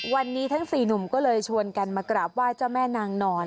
วันนี้ทั้ง๔หนุ่มก็เลยชวนกันมากราบไหว้เจ้าแม่นางนอน